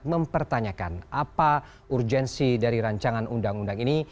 mempertanyakan apa urgensi dari rancangan undang undang ini